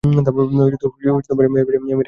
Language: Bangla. অ্যামেলিয়া আসার আগে চলে যাবো?